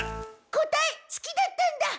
答え月だったんだ！